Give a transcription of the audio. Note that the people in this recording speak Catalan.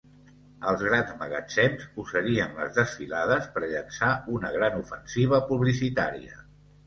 Els grans magatzems usarien les desfilades per llançar una gran ofensiva publicitària.